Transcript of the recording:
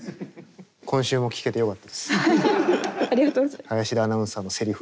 今週も聞けてよかったです。